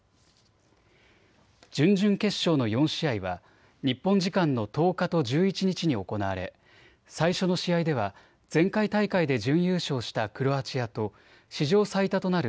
準々決勝の４試合は日本時間の１０日と１１日に行われ、最初の試合では前回大会で準優勝したクロアチアと史上最多となる